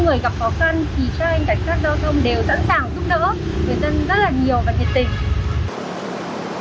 người dân rất là nhiều và nhiệt tình